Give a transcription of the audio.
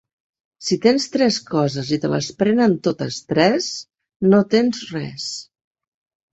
Si tens tres coses i te les prenen totes tres, no tens res.